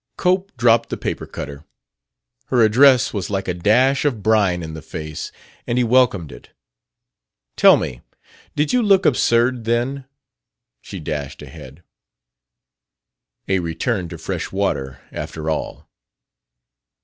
Cope dropped the paper cutter. Her address was like a dash of brine in the face, and he welcomed it. "Tell me; did you look absurd then?" she dashed ahead. A return to fresh water, after all!